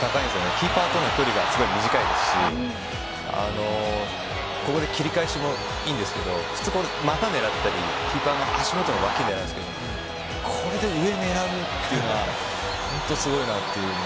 キーパーとの距離が短いですしここで切り返しもいいんですけど普通、股を狙ったりキーパーの足元の脇を狙うんですけどこれで上を狙うというのは本当にすごいなという。